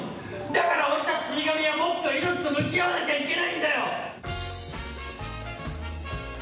だから俺たち死神はもっと命と向き合わなきゃいけないんだよ！